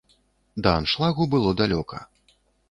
Да аншлагу было далёка.